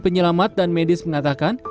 tim penyelamat dan medis menatakan